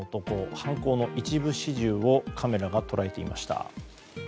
犯行の一部始終をカメラが捉えていました。